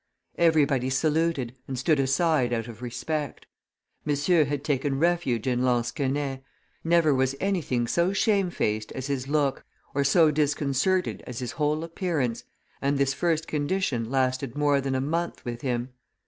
Everybody saluted, and stood aside out of respect. Monsieur had taken refuge in lansquenet; never was anything so shamefaced as his look or so disconcerted as his whole appearance, and this first condition lasted more than a month with him.